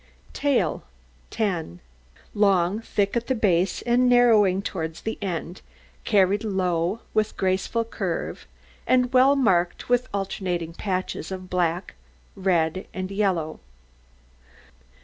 TAIL 10 Long, thick at the base, and narrowing towards the end, carried low, with graceful curve, and well marked with alternate patches of black, red, and yellow.